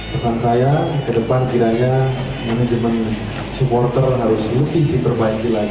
pesan saya ke depan kiranya manajemen supporter harus mesti diperbaiki lagi